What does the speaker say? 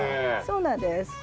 そうなんです。